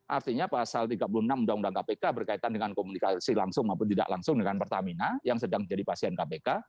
artinya pasal tiga puluh enam undang undang kpk berkaitan dengan komunikasi langsung maupun tidak langsung dengan pertamina yang sedang jadi pasien kpk